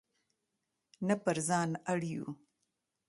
نه پر ځان اړ یو.